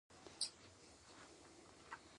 د نجونو تعلیم د کورنۍ پلان مرسته کوي.